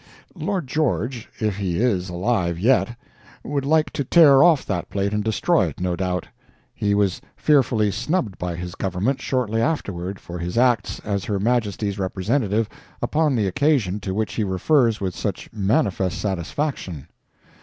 Lord George, if he is alive yet, would like to tear off that plate and destroy it, no doubt. He was fearfully snubbed by his Government, shortly afterward, for his acts as Her Majesty's representative upon the occasion to which he refers with such manifest satisfaction.